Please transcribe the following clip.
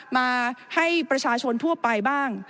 มาให้ประชาชนทั่วไปบ้าง